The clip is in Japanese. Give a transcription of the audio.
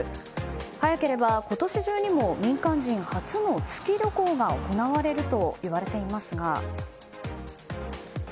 早ければ今年中にも民間人初の月旅行が行われるといわれていますが。